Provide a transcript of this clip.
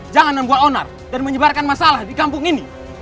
jangan membuat onar dan menyebarkan masalah di kampung ini